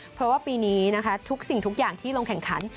เพราะว่าปีนี้นะคะทุกสิ่งทุกอย่างที่ลงแข่งขัน